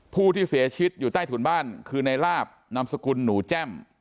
ผู้ที่เสียชีวิตอยู่ใต้ถุนบ้านคือในลาบนามสกุลหนูแจ้ม